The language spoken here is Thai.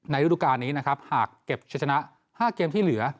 ฤดูการนี้นะครับหากเก็บชะชนะ๕เกมที่เหลือ